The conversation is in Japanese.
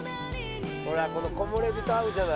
ほらこの木漏れ日と合うじゃない。